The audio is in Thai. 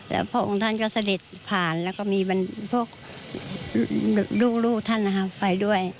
พวกคุณท่านก็เสด็จผ่านแล้วก็มีพวกลูกท่านไปด้วย